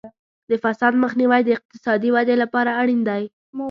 د فساد مخنیوی د اقتصادي ودې لپاره اړین دی.